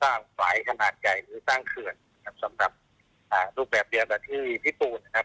สร้างไฟขนาดใหญ่สำหรับสรุปแบบเบียบาทีพิธุวร์